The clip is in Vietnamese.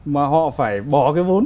mà họ phải bỏ cái vốn